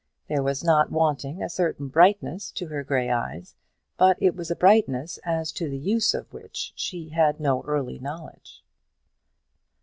There was not wanting a certain brightness to her grey eyes, but it was a brightness as to the use of which she had no early knowledge.